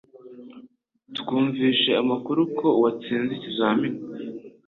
Twumvise amakuru ko watsinze ikizamini.